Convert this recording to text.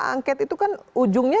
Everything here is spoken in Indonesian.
angket itu kan ujungnya